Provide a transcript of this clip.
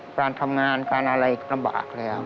การทำงานการอะไรลำบากแล้ว